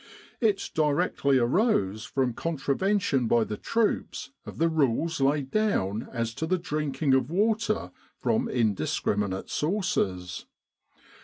It directly arose from contravention by the troops of the rules laid down as to the drinking of water from indiscriminate sources.